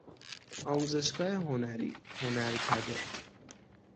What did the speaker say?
آموزشگاه هنری، هنرکده